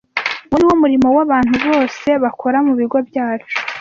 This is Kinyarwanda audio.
Uwo ni wo murimo w’abantu bose bakora mu bigo byacu